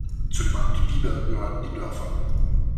Zu dem Amt Bieber gehörten die Dörfer